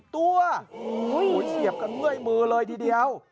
๑๕๐ตัวโอ้โฮเหยียบกับเงื่อยมือเลยทีเดียว